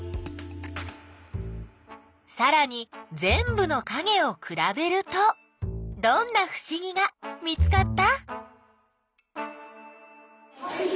さらにぜんぶのかげをくらべるとどんなふしぎが見つかった？